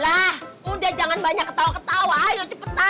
lah udah jangan banyak ketawa ketawa ayo cepetan